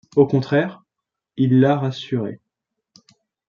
Au contraire, il la rassurait.